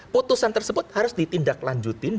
putusan tersebut harus ditindaklanjutin